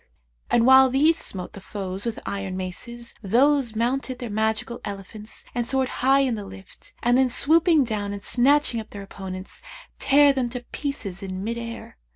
And while these smote the foes with iron maces, those mounted their magical elephants and soared high in the lift, and then swooping down and snatching up their opponents, tare them to pieces in mid air.